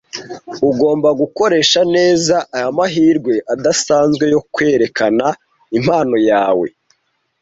Ugomba gukoresha neza aya mahirwe adasanzwe yo kwerekana impano yawe.